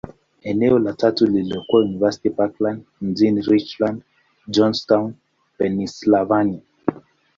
Eneo la tatu lililokuwa University Park Centre, mjini Richland, Johnstown, Pennyslvania.